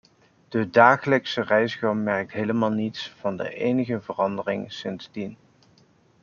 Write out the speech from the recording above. De dagelijkse reiziger merkt helemaal niets van enige verandering sindsdien.